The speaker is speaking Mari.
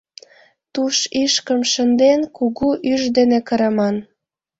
туш ишкым шынден, кугу ӱш дене кырыман.